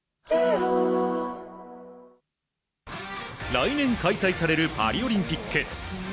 来年開催されるパリオリンピック。